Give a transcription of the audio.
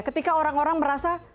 ketika orang orang merasa